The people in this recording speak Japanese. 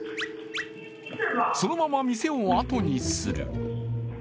そのまま店をあとにする。